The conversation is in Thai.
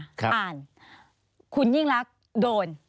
อ่านคุณยิ่งรักโดนคุณยิ่งรักอ่านคุณยิ่งรักโดน